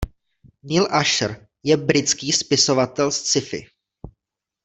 Neal Asher je britský spisovatel sci-fi.